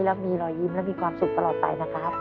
และมีรอยยิ้มและมีความสุขตลอดไปนะครับ